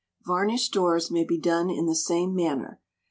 Varnished doors may be done in the same manner.